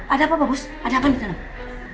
ada apa ma bos ada apaan di dalam